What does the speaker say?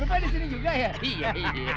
rupanya disini juga ya